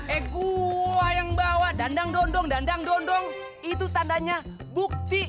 ego yang bawa dandang dondong dandang dondong itu tandanya bukti